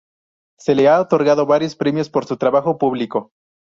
Se le ha otorgado varios premios por su trabajo público.